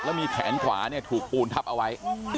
แล้วมีแขนขวาเนี่ยถูกปูนทับเอาไว้